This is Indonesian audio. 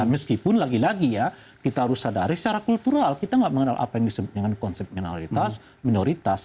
meskipun lagi lagi ya kita harus sadari secara kultural kita nggak mengenal apa yang disebut dengan konsep minoritas minoritas